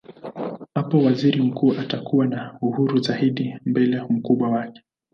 Hapo waziri mkuu atakuwa na uhuru zaidi mbele mkubwa wake.